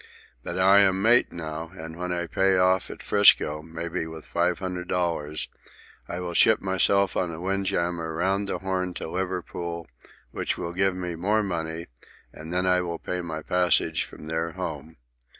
But I am mate, now, and when I pay off at 'Frisco, maybe with five hundred dollars, I will ship myself on a windjammer round the Horn to Liverpool, which will give me more money; and then I will pay my passage from there home.